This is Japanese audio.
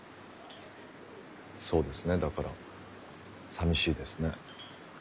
そうですねだから寂しいですね。